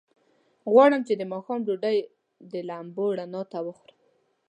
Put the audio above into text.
غواړم چې د ماښام ډوډۍ د لمبو رڼا ته وخورم.